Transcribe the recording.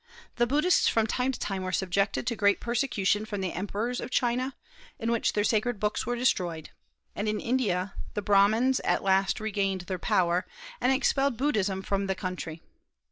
The Buddhists from time to time were subjected to great persecution from the emperors of China, in which their sacred books were destroyed; and in India the Brahmans at last regained their power, and expelled Buddhism from the country.